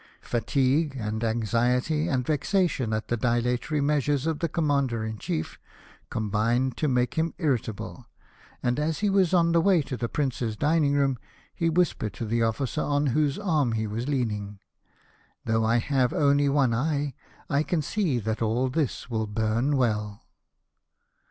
Fatigue, and anxiety, and vexation at the dilatory measures of the Commander in Chief com bined to make him irritable ; and as he was on the way to the Prince's dining room, he whispered to the officer on whose arm he was leaning, '' Though I have only one eye, I can see that all this will burn well."